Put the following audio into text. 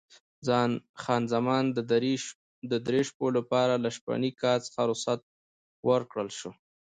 خان زمان د درې شپو لپاره له شپني کار څخه رخصت ورکړل شوه.